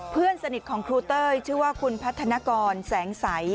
เพื่อนสนิทของครูเต้ยชื่อว่าคุณพัฒนากรแสงสัย